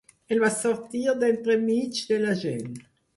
Ell va sortir d'entremig de la gent.